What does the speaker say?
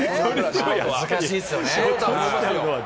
難しいですよね。